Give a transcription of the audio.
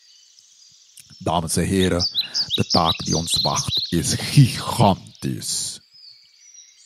Dames en heren, de taak die ons wacht, is gigantisch.